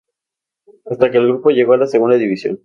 Hasta que el grupo llegó a la segunda división.